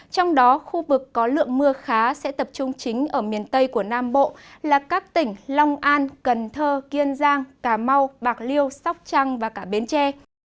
trong đó khu vực có lượng mưa khá sẽ tập trung chính ở miền tây của nam bộ là các tỉnh long an cần thơ kiên giang cà mau bạc liêu sóc trăng và cả bến tre